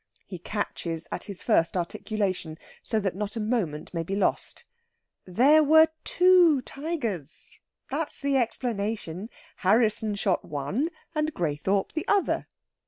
He catches at his first articulation, so that not a moment may be lost. There were two tigers that's the explanation. Harrisson shot one, and Graythorpe the other.